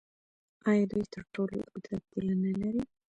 آیا دوی تر ټولو اوږده پوله نلري؟